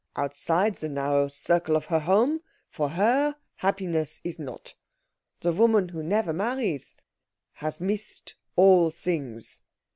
Outside the narrow circle of her home, for her happiness is not. The woman who never marries has missed all things."